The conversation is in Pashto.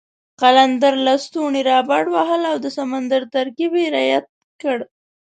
قلندر لسټوني را بډ وهل او د سمندر ترکیب یې رعایت کړ.